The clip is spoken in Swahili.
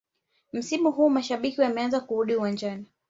msimu huu mashabiki wameanza kurudi uwanjani